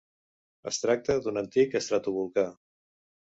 Es tracta d'un antic estratovolcà.